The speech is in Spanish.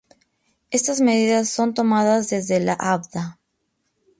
Estas medidas son tomadas desde la Avda.